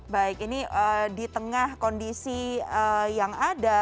baik ini di tengah kondisi yang ada